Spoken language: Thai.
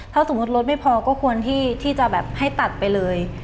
ถ้าสมมุติรถไม่พอก็ควรที่จะแบบให้ตัดไปเลย